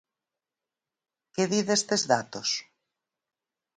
¿Que di destes datos?